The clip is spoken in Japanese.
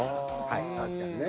確かにね。